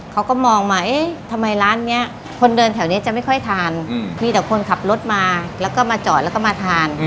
เขาก็มองมาเอ๊ะทำไมร้านนี้คนเดินแถวนี้จะไม่ค่อยทานมีแต่คนขับรถมาแล้วก็มาจอดแล้วก็มาทาน